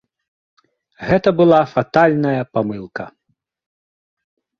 Гэта была фатальная памылка.